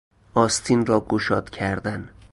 آستین را گشاد کردن